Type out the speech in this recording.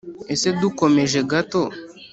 ese dukomeje gato,